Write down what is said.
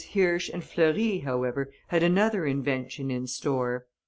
Hirsch and Fleury, however, had another invention in store.